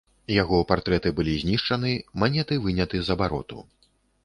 Яго партрэты былі знішчаны, манеты выняты з абароту.